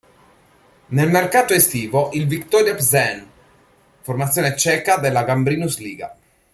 Nel mercato estivo il Viktoria Plzeň, formazione ceca della Gambrinus Liga.